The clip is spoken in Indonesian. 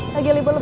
lagi libur lebaran